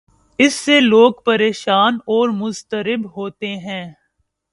اس سے لوگ پریشان اور مضطرب ہوتے ہیں۔